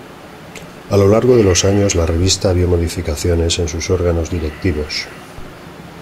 A lo largo de los años, la revista vio modificaciones en sus órganos directivos.